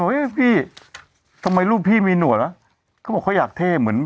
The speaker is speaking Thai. โอ้โฮเฮ้ยพี่ทำไมรูปพี่มีหนวดล่ะก็บอกเขาอยากเท่เหมือน